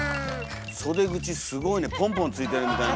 袖口すごいねポンポンついてるみたいな。